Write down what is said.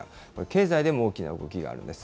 経済でも大きな動きがあるんです。